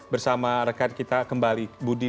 bersama rekan kita kembali budi